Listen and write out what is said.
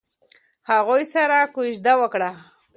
هغوی سره کوژده وکړه.